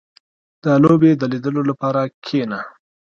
• د لوبې د لیدو لپاره کښېنه.